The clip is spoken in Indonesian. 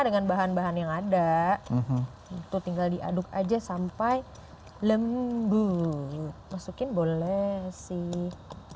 dengan bahan bahan yang ada itu tinggal diaduk aja sampai lembu masukin boleh sih